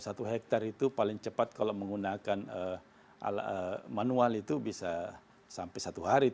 satu hektare itu paling cepat kalau menggunakan manual itu bisa sampai satu hari